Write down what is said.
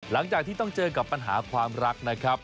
หลังจากที่ต้องเจอกับปัญหาความรักนะครับ